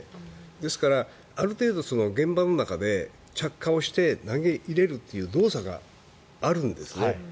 ですから、ある程度現場の中で着火をして投げ入れるという動作があるんですよ。